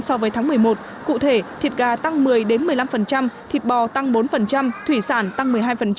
so với tháng một mươi một cụ thể thịt gà tăng một mươi một mươi năm thịt bò tăng bốn thủy sản tăng một mươi hai